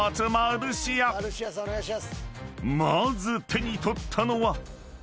［まず手に取ったのは］